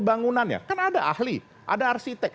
bangunannya kan ada ahli ada arsitek